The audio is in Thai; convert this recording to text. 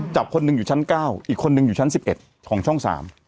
จับคนหนึ่งอยู่ชั้น๙อีกคนนึงอยู่ชั้น๑๑ของช่อง๓